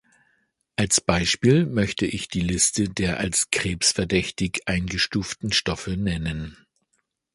Als Beispiel möchte ich die Liste der als krebsverdächtig eingestuften Stoffe nennen.